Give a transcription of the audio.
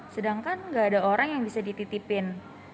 sedangkan gak ada orang yang bisa dititipin